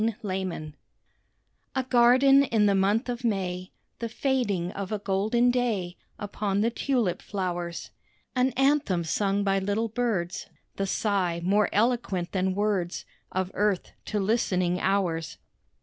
THE MAY TREE A garden in the month of May, The fading of a golden day Upon the tulip flowers. An anthem sung by little birds, The sigh more eloquent than words Of earth to listening hours.